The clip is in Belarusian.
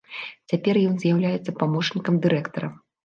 Цяпер ён з'яўляецца памочнікам дырэктара.